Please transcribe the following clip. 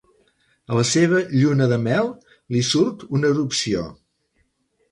A la seva lluna de mel, li surt una erupció.